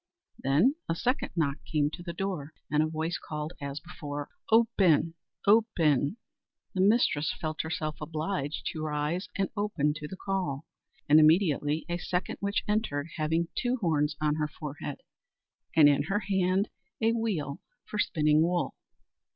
Then a second knock came to the door, and a voice called as before, "Open! open!" The mistress felt herself obliged to rise and open to the call, and immediately a second witch entered, having two horns on her forehead, and in her hand a wheel for spinning wool.